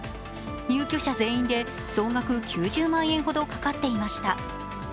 入居者全員で総額９０万円ほどかかっていました。